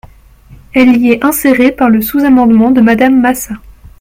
Elle y est insérée par le sous-amendement de Madame Massat.